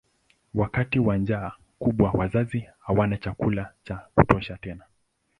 Wakati wa njaa kubwa wazazi hawana chakula cha kutosha tena.